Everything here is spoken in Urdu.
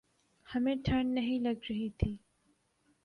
ہمیں ٹھنڈ نہیں لگ رہی تھی۔